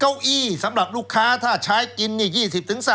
เก้าอี้สำหรับลูกค้าถ้าใช้กินนี่